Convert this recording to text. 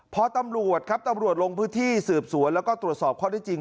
พอตำรวจครับตำรวจลงพื้นที่สืบสวนแล้วก็ตรวจสอบข้อได้จริง